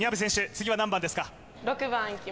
次は何番ですか？